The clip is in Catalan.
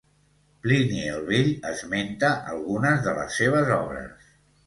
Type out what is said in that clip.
Plini el Vell esmenta algunes de les seves obres.